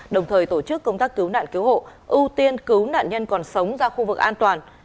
đồng thời tổ chức công tác cứu nạn cứu hộ ưu tiên cứu nạn nhân còn sống ra khu vực an toàn